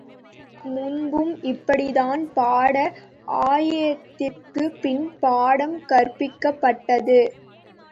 முன்பும் இப்படித்தான் பாட ஆயத்தத்திற்குப் பின் பாடம் கற்பிக்கப்பட்டது.